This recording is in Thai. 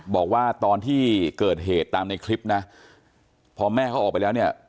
บอกว่าตอนที่เกิดเหตุตามในคลิปนะพอแม่เขาออกไปแล้วเนี่ย